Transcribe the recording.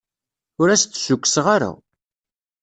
Ur as-d-ssukkseɣ ara.